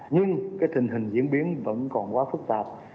nhưng tình hình diễn biến vẫn còn quá phức tạp